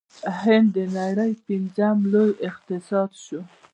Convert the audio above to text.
هند د نړۍ پنځم لوی اقتصاد شو.